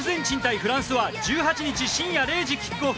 フランスは１８日深夜０時キックオフ。